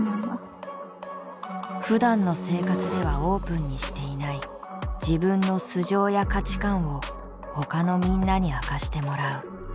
ふだんの生活ではオープンにしていない自分の素性や価値観をほかのみんなに明かしてもらう。